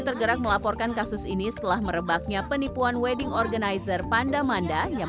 tergerak melaporkan kasus ini setelah merebaknya penipuan wedding organizer pandamanda yang